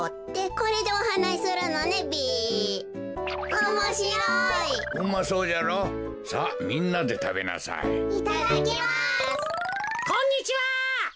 こんにちは！